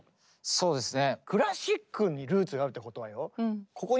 そうですね。